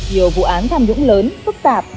nhiều vụ an tham nhũng lớn phức tạp